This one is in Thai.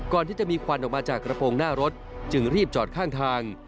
ก่อนที่จะมีควันออกมาจากกระโปรงหน้ารถจึงรีบจอดข้างทาง